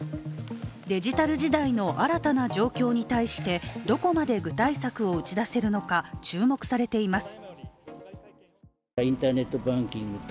デジタル時代の新たな状況に対して、どこまで具体策を打ち出せるのか注目されています。